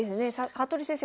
服部先生